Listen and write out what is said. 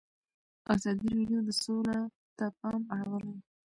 ازادي راډیو د سوله ته پام اړولی.